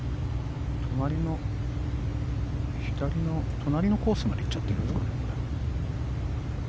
隣の左のコースまで行っちゃってるんじゃないかな？